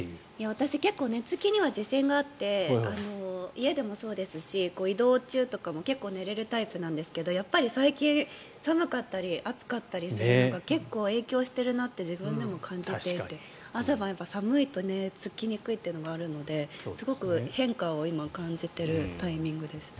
私、結構寝付きには自信があって家でもそうですし、移動中とかも結構寝れるタイプなんですけどやっぱり最近寒かったり暑かったりするのが結構影響しているなって自分でも感じていて朝晩、やっぱり寒いと寝付きにくいというのがあるのですごく変化を今感じているタイミングですね。